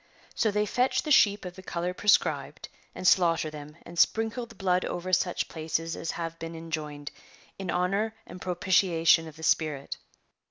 So they fetch the sheep of the colour prescribed, and slaughter them, and sprinkle the blood over such places as have been enjoined, in honour and propitiation of the spirit.